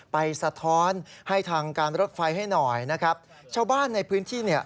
สะท้อนให้ทางการรถไฟให้หน่อยนะครับชาวบ้านในพื้นที่เนี่ย